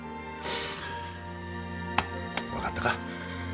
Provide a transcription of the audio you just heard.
分かったか。